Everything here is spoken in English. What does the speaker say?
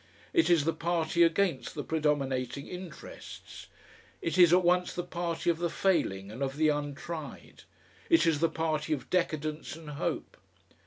It is the party against the predominating interests. It is at once the party of the failing and of the untried; it is the party of decadence and hope.